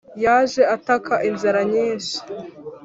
yaje ataka inzara nyinshi